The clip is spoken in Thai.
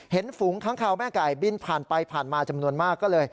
ฝูงค้างคาวแม่ไก่บินผ่านไปผ่านมาจำนวนมากก็เลย